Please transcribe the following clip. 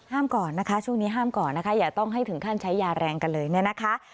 ก่อนนะคะช่วงนี้ห้ามก่อนนะคะอย่าต้องให้ถึงขั้นใช้ยาแรงกันเลยเนี่ยนะคะ